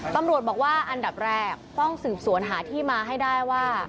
ตำรวจบอกว่าอันดับแรกต้องสืบสวนหาที่มาให้ได้ว่า